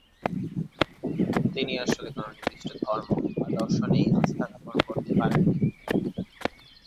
তিনি আসলে কোন নির্দিষ্ট ধর্ম বা দর্শনেই আস্থা স্থাপন করতে পারেননি।